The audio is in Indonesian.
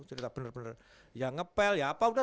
cerita bener bener ya ngepel ya apa udah